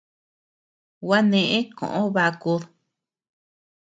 Gua neʼe koʼo bakud.